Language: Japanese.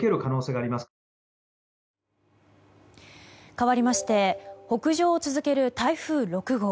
かわりまして北上を続ける台風６号。